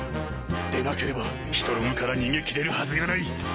でなければヒトログから逃げ切れるはずがない。